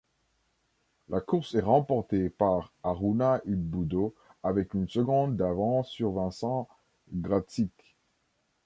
La course est remporté par Harouna Ilboudo avec une seconde d'avance sur Vincent Graczyk.